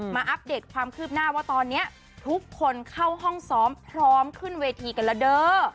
อัปเดตความคืบหน้าว่าตอนนี้ทุกคนเข้าห้องซ้อมพร้อมขึ้นเวทีกันแล้วเด้อ